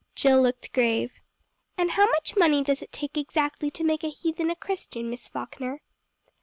Jill looked grave. "And how much money does it take exactly to make a heathen a Christian, Miss Falkner?"